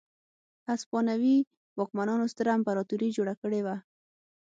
هسپانوي واکمنانو ستره امپراتوري جوړه کړې وه.